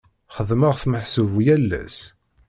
Xeddmeɣ-t meḥsub yal ass.